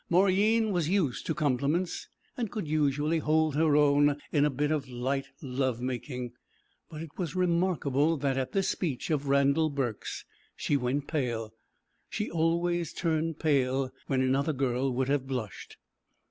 Mauryeen was used to compliments, and could usually hold her own in a bit of light love making; but it was remarkable that at this speech of Randal Burke's she went pale. She always turned pale when another girl would have blushed.